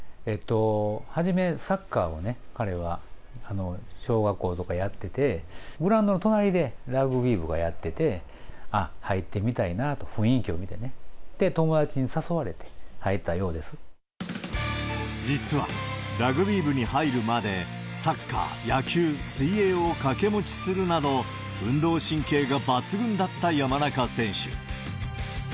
初めはサッカーを彼は小学校とかやってて、グラウンドの隣でラグビー部がやってて、ああ、入ってみたいなと、雰囲気を見てね、友達に誘われて入ったようで実は、ラグビー部に入るまでサッカー、野球、水泳を掛け持ちするなど、運動神経が抜群だった山中選手。